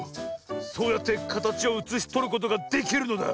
そうやってかたちをうつしとることができるのだ。